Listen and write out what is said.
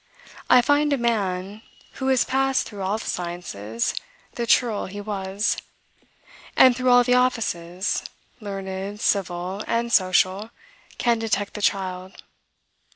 I find a man who has passed through all the sciences, the churl he was; and, through all the offices, learned, civil, and social, can detect the child.